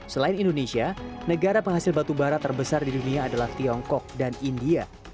selain indonesia negara penghasil batubara terbesar di dunia adalah tiongkok dan india